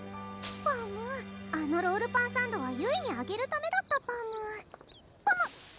パムあのロールパンサンドはゆいにあげるためだったパム・・パム！